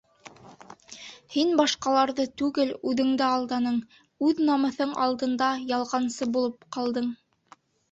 Һин башҡаларҙы түгел, үҙеңде алданың, үҙ намыҫың алдында ялғансы булып ҡалдың.